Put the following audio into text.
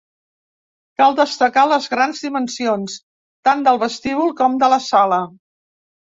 Cal destacar les grans dimensions, tant del vestíbul com de la sala.